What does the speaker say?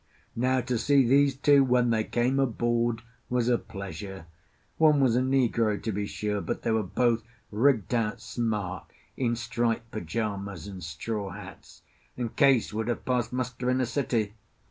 Now to see these two when they came aboard was a pleasure. One was a negro, to be sure; but they were both rigged out smart in striped pyjamas and straw hats, and Case would have passed muster in a city.